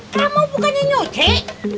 kamu bukan yang nyuruh cek